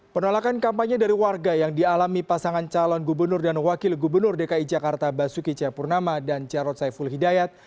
penolakan kampanye dari warga yang dialami pasangan calon gubernur dan wakil gubernur dki jakarta basuki cahayapurnama dan jarod saiful hidayat